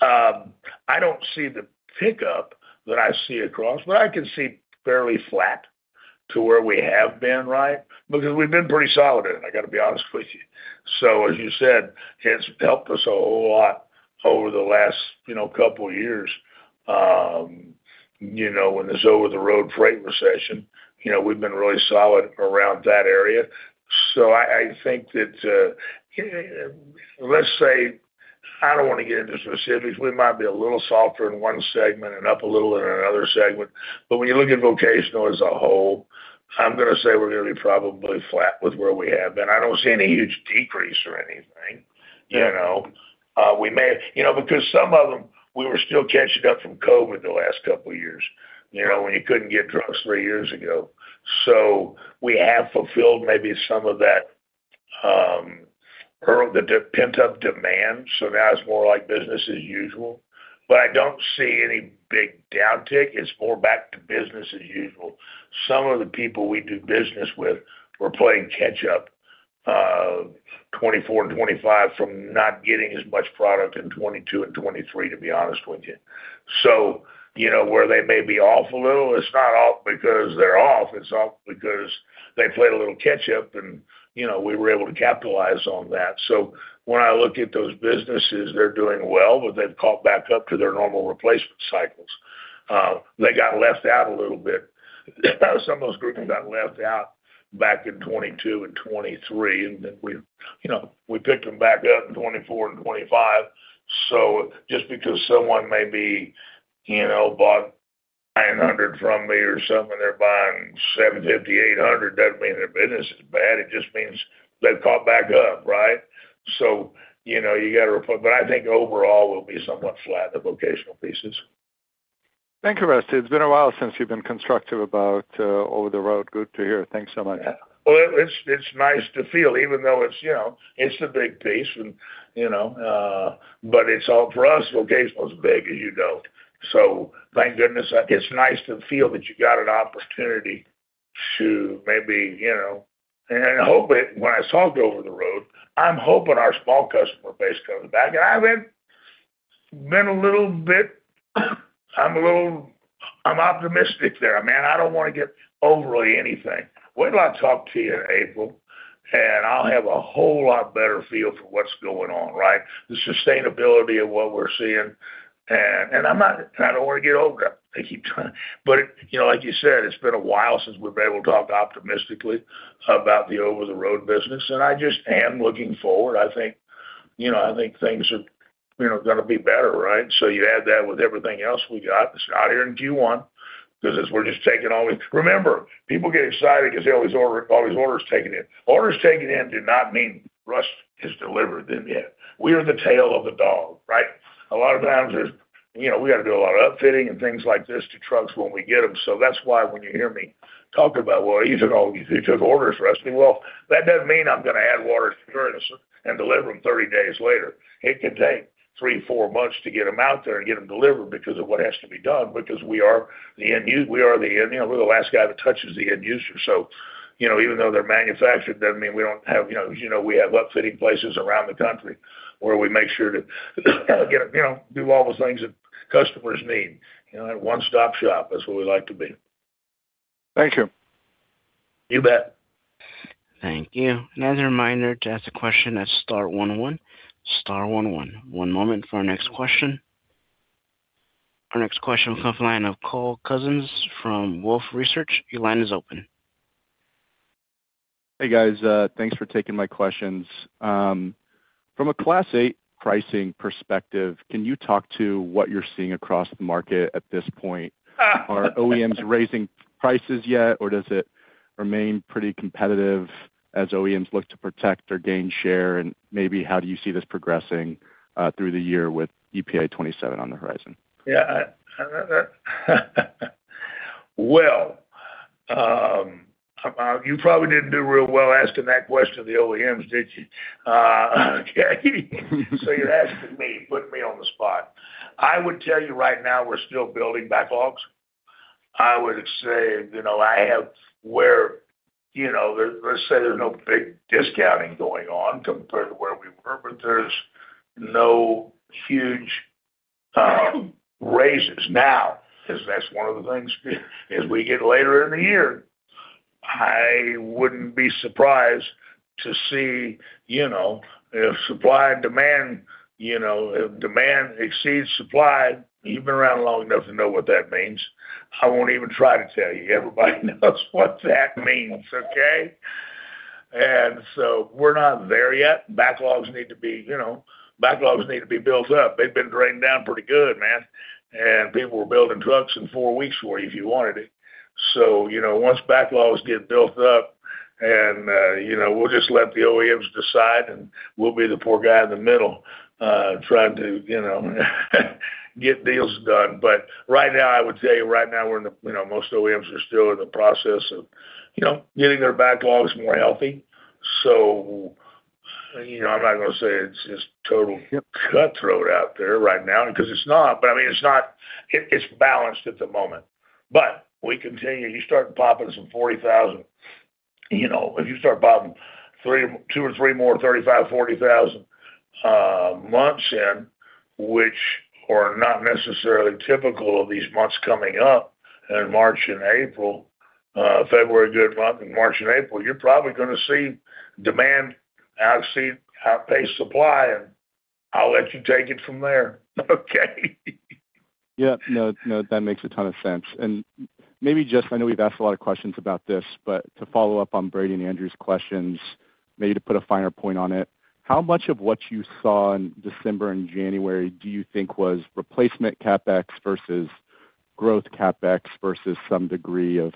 I don't see the pickup that I see across, but I can see fairly flat to where we have been, right? Because we've been pretty solid in it, I got to be honest with you. So, as you said, it's helped us a whole lot over the last, you know, couple of years, you know, in this over-the-road freight recession. You know, we've been really solid around that area. So I, I think that, let's say, I don't want to get into specifics. We might be a little softer in one segment and up a little in another segment, but when you look at vocational as a whole, I'm going to say we're going to be probably flat with where we have been. I don't see any huge decrease or anything, you know? You know, because some of them, we were still catching up from COVID the last couple of years, you know, when you couldn't get trucks three years ago. So we have fulfilled maybe some of that, the pent-up demand, so now it's more like business as usual. But I don't see any big downtick. It's more back to business as usual. Some of the people we do business with were playing catch up, 2024 and 2025 from not getting as much product in 2022 and 2023, to be honest with you. You know, where they may be off a little, it's not off because they're off, it's off because they played a little catch up and, you know, we were able to capitalize on that. So when I look at those businesses, they're doing well, but they've caught back up to their normal replacement cycles. They got left out a little bit. Some of those groups got left out back in 2022 and 2023, and then we, you know, we picked them back up in 2024 and 2025. So just because someone maybe, you know, bought 900 from me or something, they're buying 750, 800, doesn't mean their business is bad. It just means they've caught back up, right? So, you know, you got to reply, but I think overall, we'll be somewhat flat in the vocational pieces. Thank you, Rusty. It's been a while since you've been constructive about over-the-road. Good to hear. Thanks so much. Well, it's, it's nice to feel, even though it's, you know, it's a big piece and, you know, but it's all for us. Well, case was big, as you know. So thank goodness. It's nice to feel that you got an opportunity to maybe, you know, and I hope it, when I talk over the road, I'm hoping our small customer base comes back. And I've been a little bit, I'm a little, I'm optimistic there, man. I don't wanna get overly anything. Wait till I talk to you in April, and I'll have a whole lot better feel for what's going on, right? The sustainability of what we're seeing. And I'm not, I don't wanna get over... I keep trying. You know, like you said, it's been a while since we've been able to talk optimistically about the over-the-road business, and I just am looking forward. I think, you know, I think things are, you know, gonna be better, right? So you add that with everything else we got. It's out here in Q1, because as we're just taking all the... Remember, people get excited because all these orders taken in. Orders taken in do not mean Rush is delivered then yet. We are the tail of the dog, right? A lot of times, there's, you know, we got to do a lot of upfitting and things like this to trucks when we get them. So that's why when you hear me talk about, well, he took all, he took orders, Rusty. Well, that doesn't mean I'm gonna add water security and deliver them 30 days later. It could take three, four months to get them out there and get them delivered because of what has to be done, because we are the, you know, we're the last guy that touches the end user. So, you know, even though they're manufactured, doesn't mean we don't have, you know, you know, we have upfitting places around the country where we make sure to, you know, do all those things that customers need. You know, that one-stop-shop, that's what we like to be. Thank you. You bet. Thank you. Another reminder to ask a question, that's star one one, star one one. One moment for our next question. Our next question comes from the line of Cole Couzens from Wolfe Research. Your line is open. Hey, guys, thanks for taking my questions. From a Class 8 pricing perspective, can you talk to what you're seeing across the market at this point? Are OEMs raising prices yet, or does it remain pretty competitive as OEMs look to protect or gain share? And maybe how do you see this progressing through the year with EPA 2027 on the horizon? Yeah, well, you probably didn't do real well asking that question to the OEMs, did you? Okay, so you're asking me, putting me on the spot. I would tell you right now, we're still building backlogs. I would say, you know, I have where, you know, let's say there's no big discounting going on compared to where we were, but there's no huge raises. Now, because that's one of the things, as we get later in the year, I wouldn't be surprised to see, you know, if supply and demand, you know, if demand exceeds supply, you've been around long enough to know what that means. I won't even try to tell you. Everybody knows what that means, okay? And so we're not there yet. Backlogs need to be, you know, backlogs need to be built up. They've been drained down pretty good, man, and people were building trucks in 4 weeks for you if you wanted it. So, you know, once backlogs get built up and, you know, we'll just let the OEMs decide, and we'll be the poor guy in the middle, trying to, you know, get deals done. But right now, I would say right now, we're in the, you know, most OEMs are still in the process of, you know, getting their backlogs more healthy. So, you know, I'm not gonna say it's, it's total cutthroat out there right now, because it's not. But I mean, it's not, it, it's balanced at the moment. But we continue. You start popping some 40,000. You know, if you start popping three, two or three more, 35, 40,000 months in, which are not necessarily typical of these months coming up in March and April, February, a good month, and March and April, you're probably gonna see demand outpace supply, and I'll let you take it from there. Okay. Yeah. No, no, that makes a ton of sense. And maybe just... I know we've asked a lot of questions about this, but to follow up on Brady and Andrew's questions, maybe to put a finer point on it, how much of what you saw in December and January do you think was replacement CapEx versus growth CapEx versus some degree of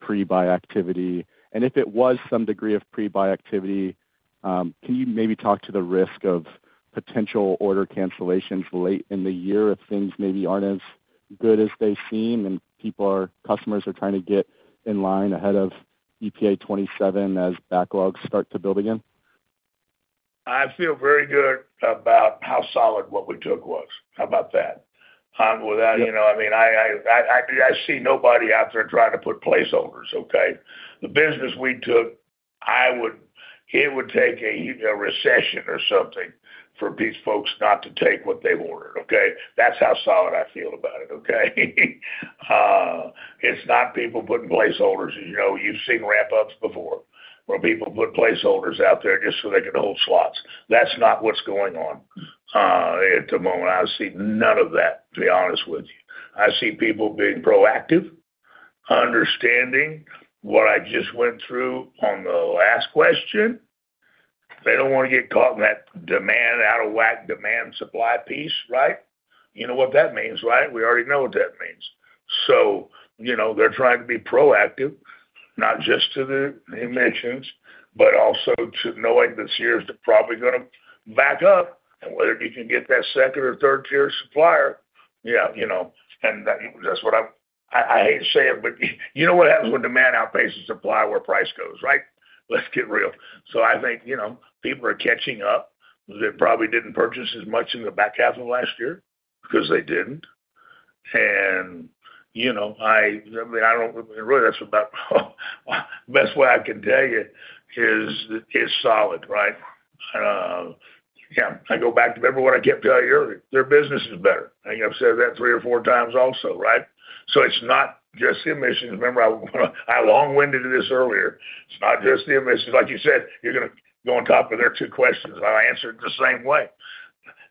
pre-buy activity? And if it was some degree of pre-buy activity, can you maybe talk to the risk of potential order cancellations late in the year if things maybe aren't as good as they seem, and customers are trying to get in line ahead of EPA 2027 as backlogs start to build again? I feel very good about how solid what we took was. How about that? Without, you know, I mean, I see nobody out there trying to put placeholders, okay? The business we took, it would take a, you know, a recession or something for these folks not to take what they ordered, okay? That's how solid I feel about it, okay? It's not people putting placeholders. You know, you've seen ramp-ups before, where people put placeholders out there just so they can hold slots. That's not what's going on at the moment. I see none of that, to be honest with you. I see people being proactive, understanding what I just went through on the last question. They don't want to get caught in that demand, out-of-whack demand supply piece, right? You know what that means, right? We already know what that means. So, you know, they're trying to be proactive, not just to the emissions, but also to knowing this year is probably going to back up and whether you can get that second or third-tier supplier. Yeah, you know, and that, that's what I'm. I hate to say it, but you know what happens when demand outpaces supply, where price goes, right? Let's get real. So I think, you know, people are catching up. They probably didn't purchase as much in the back half of last year because they didn't. And, you know, I mean, really, that's about the best way I can tell you is solid, right? Yeah, I go back to remember what I kept telling you earlier, their business is better. I think I've said that three or four times also, right? So it's not just the emissions. Remember, I long-winded this earlier. It's not just the emissions. Like you said, you're going to go on top of their two questions, and I answered the same way.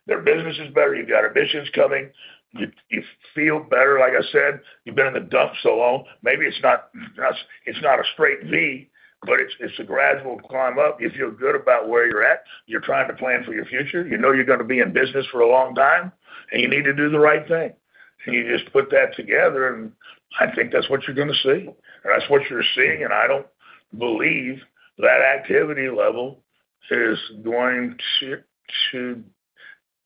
Their business is better. You've got emissions coming. You feel better, like I said, you've been in the dumps so long. Maybe it's not, it's not a straight V, but it's a gradual climb up. You feel good about where you're at. You're trying to plan for your future. You know you're going to be in business for a long time, and you need to do the right thing. And you just put that together, and I think that's what you're going to see, and that's what you're seeing, and I don't believe that activity level is going to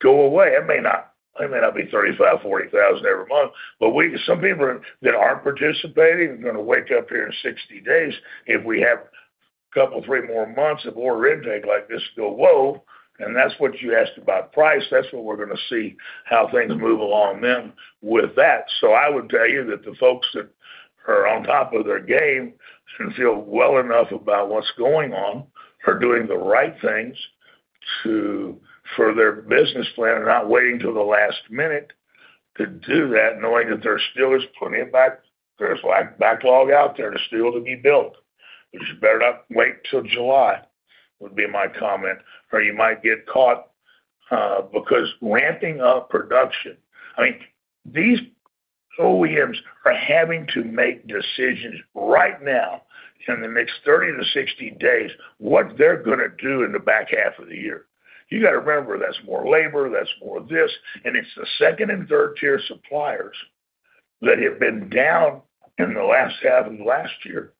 go away. It may not, it may not be 35, 40,000 every month, but we—some people that aren't participating are going to wake up here in 60 days if we have a couple, three more months of order intake like this go, whoa, and that's what you asked about price. That's what we're going to see, how things move along then with that. So I would tell you that the folks that are on top of their game and feel well enough about what's going on, are doing the right things to... for their business plan, and not waiting till the last minute to do that, knowing that there still is plenty of back—there's back backlog out there to still to be built. You just better not wait till July, would be my comment, or you might get caught, because ramping up production... I mean, these OEMs are having to make decisions right now in the next 30-60 days, what they're going to do in the back half of the year. You got to remember, that's more labor, that's more this, and it's the second and third-tier suppliers that have been down in the last half of last year,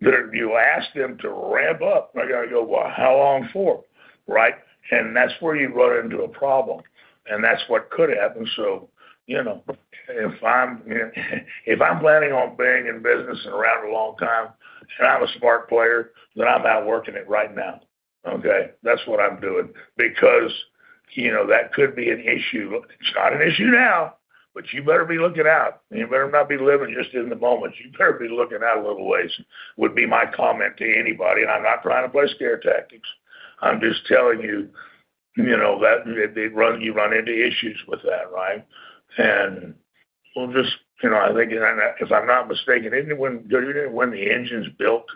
that if you ask them to ramp up, they're going to go, "Well, how long for?" Right? And that's where you run into a problem, and that's what could happen. So you know, if I'm, if I'm planning on being in business and around a long time, and I'm a smart player, then I'm out working it right now, okay? That's what I'm doing because, you know, that could be an issue. It's not an issue now, but you better be looking out, and you better not be living just in the moment. You better be looking out a little ways, would be my comment to anybody. I'm not trying to play scare tactics. I'm just telling you, you know, that if they run—you run into issues with that, right? Well, just, you know, I think, if I'm not mistaken, isn't it when, didn't when the engines built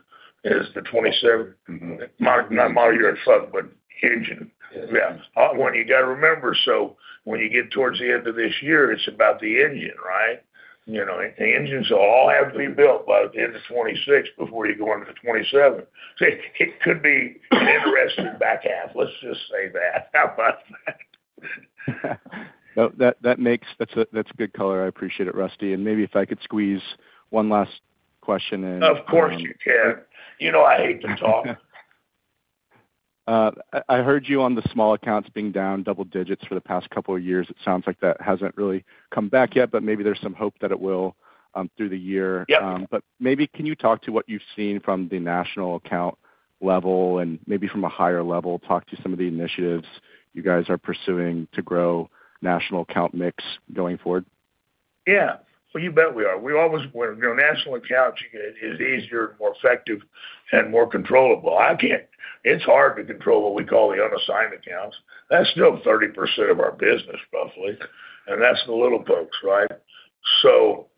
is the 2027? Mm-hmm. Not model year itself, but engine. Yeah. What you got to remember, so when you get towards the end of this year, it's about the engine, right? You know, the engines all have to be built by the end of 2026 before you go into the 2027. So it could be interesting back half, let's just say that. How about that? Well, that makes... That's a good color. I appreciate it, Rusty. And maybe if I could squeeze one last question in. Of course, you can. You know I hate to talk. I heard you on the small accounts being down double digits for the past couple of years. It sounds like that hasn't really come back yet, but maybe there's some hope that it will through the year. Yeah. Maybe can you talk to what you've seen from the national account level and maybe from a higher level, talk to some of the initiatives you guys are pursuing to grow national account mix going forward? Yeah. Well, you bet we are. We always... You know, national accounts is easier, more effective, and more controllable. I can't—It's hard to control what we call the unassigned accounts. That's still 30% of our business, roughly, and that's the little folks, right? So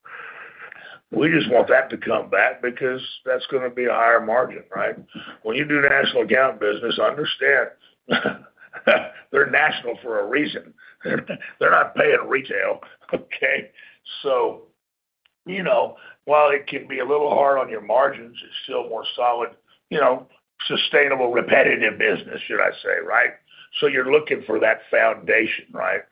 we just want that to come back because that's going to be a higher margin, right? When you do national account business, understand, they're national for a reason. They're not paying retail, okay? So, you know, while it can be a little hard on your margins, it's still more solid, you know, sustainable, repetitive business, should I say, right? So you're looking for that foundation, right?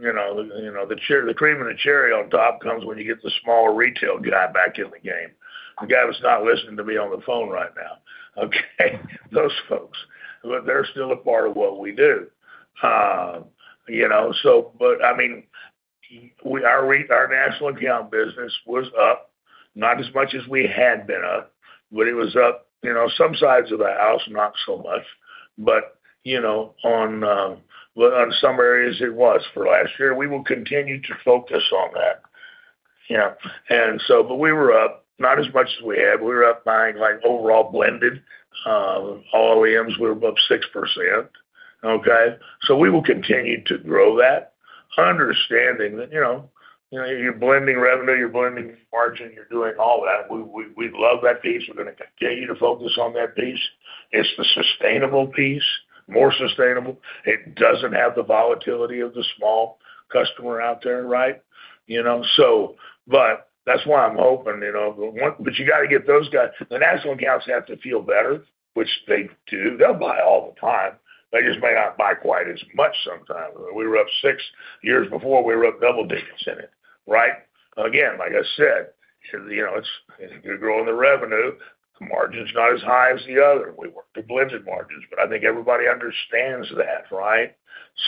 You know, you know, the cherry—the cream and the cherry on top comes when you get the smaller retail guy back in the game. The guy was not listening to me on the phone right now, okay? Those folks, but they're still a part of what we do. You know, so but, I mean, our national account business was up, not as much as we had been up, but it was up. You know, some sides of the house, not so much. But, you know, on, on some areas, it was for last year. We will continue to focus on that. Yeah, and so, but we were up, not as much as we had. We were up by, like, overall blended, all OEMs were above 6%, okay? So we will continue to grow that, understanding that, you know, you're blending revenue, you're blending margin, you're doing all that. We love that piece. We're going to continue to focus on that piece. It's the sustainable piece, more sustainable. It doesn't have the volatility of the small customer out there, right? You know, so but that's why I'm hoping, you know, but once but you got to get those guys. The national accounts have to feel better, which they do. They'll buy all the time. They just may not buy quite as much sometimes. We were up six years before, we were up double digits in it, right? Again, like I said, you know, it's if you're growing the revenue, the margin's not as high as the other. We work to blended margins, but I think everybody understands that, right?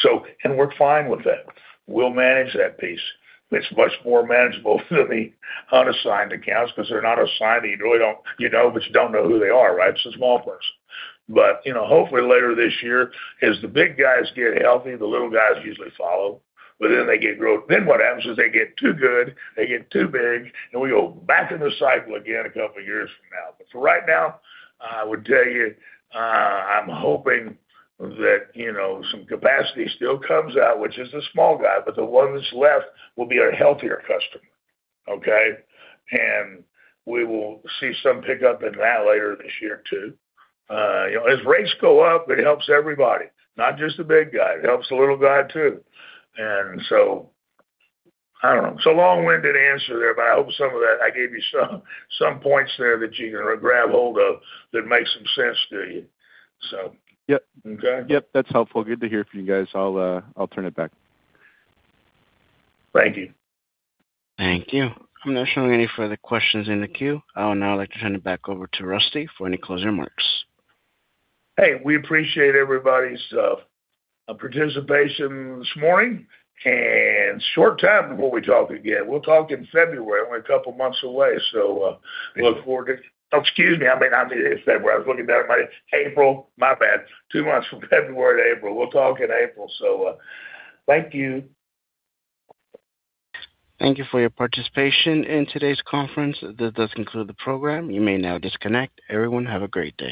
So, and we're fine with that. We'll manage that piece. It's much more manageable than the unassigned accounts because they're not assigned, and you really don't, you know, but you don't know who they are, right? It's the small folks. You know, hopefully later this year, as the big guys get healthy, the little guys usually follow, but then they get growth. Then what happens is they get too good, they get too big, and we go back in the cycle again a couple of years from now. But for right now, I would tell you, I'm hoping that, you know, some capacity still comes out, which is the small guy, but the one that's left will be a healthier customer, okay? And we will see some pickup in that later this year, too. You know, as rates go up, it helps everybody, not just the big guy, it helps the little guy, too. And so I don't know. It's a long-winded answer there, but I hope some of that, I gave you some, some points there that you can grab hold of that make some sense to you. So- Yep. Okay. Yep, that's helpful. Good to hear from you guys. I'll, I'll turn it back. Thank you. Thank you. I'm not showing any further questions in the queue. I would now like to turn it back over to Rusty for any closing remarks. Hey, we appreciate everybody's participation this morning. Short time before we talk again. We'll talk in February. We're a couple of months away, so look forward to... Oh, excuse me, I mean, not in February. I was looking at April. My bad. Two months from February to April. We'll talk in April, so thank you. Thank you for your participation in today's conference. This does conclude the program. You may now disconnect. Everyone, have a great day.